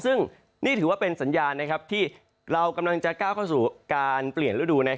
ซึ่งนี่ถือว่าเป็นสัญญาณที่เรากำลังจะก้าวเข้าสู่การเปลี่ยนฤดู